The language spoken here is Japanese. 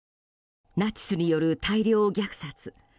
ナチスによる大量虐殺